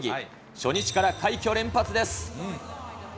初日から快挙連発です。